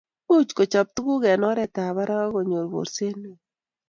muuch kochop tuguk eng oretab barak ago nyoor borset neo